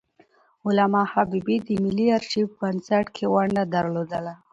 علامه حبيبي د ملي آرشیف بنسټ کې ونډه درلودله.